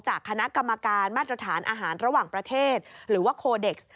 คณะกรรมการมาตรฐานอาหารระหว่างประเทศหรือว่าโคเด็กซ์